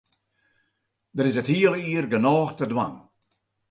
Der is it hiele jier genôch te dwaan.